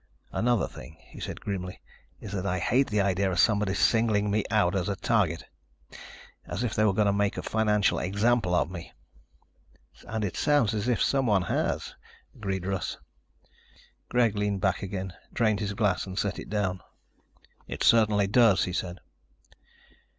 "Another thing," he said grimly, "is that I hate the idea of somebody singling me out as a target. As if they were going to make a financial example of me." "And it sounds as if someone has," agreed Russ. Greg leaned back again, drained his glass and set it down. "It certainly does," he said.